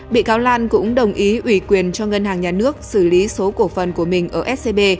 bị cáo lan cũng đồng ý ủy quyền cho ngân hàng nhà nước xử lý số cổ phần của mình ở scb